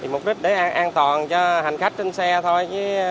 mục đích để an toàn cho hành khách trên xe thôi